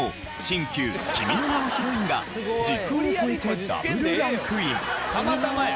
新旧「君の名は」ヒロインが時空を超えてダブルランクイン。